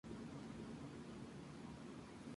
Tras una hora de lucha el brigadier se rinde.